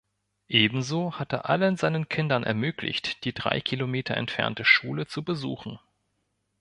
Ebenso hat er allen seinen Kindern ermöglicht, die drei Kilometer entfernte Schule zu besuchen.